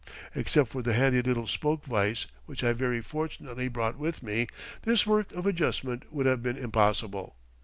Except for the handy little spoke vice which I very fortunately brought with me, this work of adjustment would have been impossible.